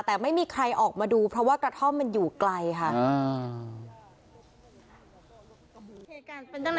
แต่ไม่มีใครออกมาดูเพราะว่ากระท่อมมันอยู่ไกลค่ะ